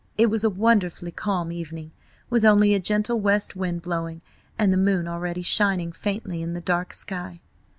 It was a wonderfully calm evening, with only a gentle west wind blowing, and the moon already shining faintly in the dark sky.